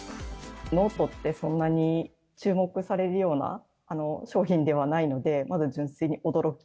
ノートって、そんなに注目されるような商品ではないので、まず純粋に驚き。